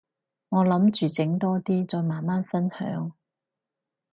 我諗住整多啲，再慢慢分享